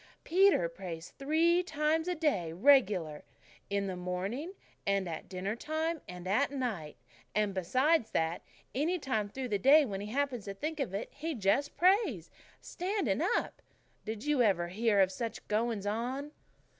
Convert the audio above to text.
Peter prays three times a day regular in the morning and at dinner time and at night and besides that, any time through the day when he happens to think of it, he just prays, standing up. Did you ever hear of such goings on?"